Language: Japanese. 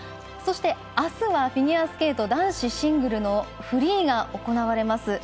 そして、あすはフィギュアスケート男子シングルのフリーが行われます。